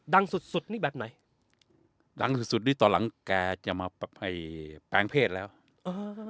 ดังสุดสุดนี่แบบไหนดังสุดสุดนี่ตอนหลังแกจะมาไปแปลงเพศแล้วเออ